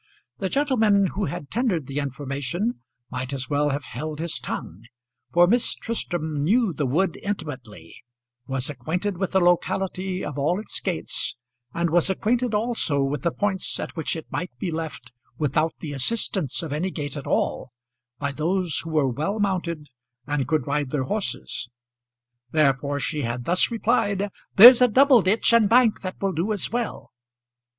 The gentleman who had tendered the information might as well have held his tongue, for Miss Tristram knew the wood intimately, was acquainted with the locality of all its gates, and was acquainted also with the points at which it might be left, without the assistance of any gate at all, by those who were well mounted and could ride their horses. Therefore she had thus replied, "There's a double ditch and bank that will do as well."